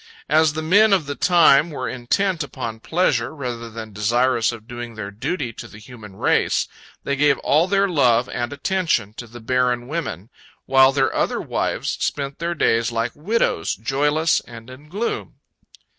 As the men of the time were intent upon pleasure rather than desirous of doing their duty to the human race, they gave all their love and attention to the barren women, while their other wives spent their days like widows, joyless and in gloom.